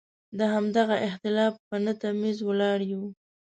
د همدغه اختلاف په نه تمیز ولاړ یو.